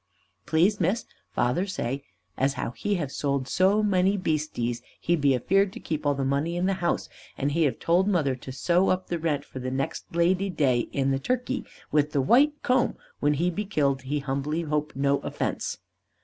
Please Miss, father say as how he have sold such a many beasties, he be afeared to keep all the money in the house, and he have told mother to sew up the rent for next Ladyday in the turkey with the white comb when he be killed and he humbly hope no offence.